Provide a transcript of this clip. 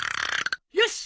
よし！